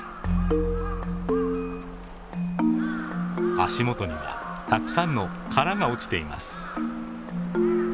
足元にはたくさんの殻が落ちています。